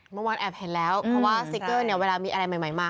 เมื่อวานแอบเห็นแล้วเพราะว่าสติ๊กเกอร์เนี่ยเวลามีอะไรใหม่มา